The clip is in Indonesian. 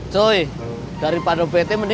cuy daripada pt mending es dawet